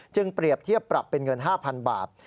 เปรียบเทียบปรับเป็นเงิน๕๐๐๐บาท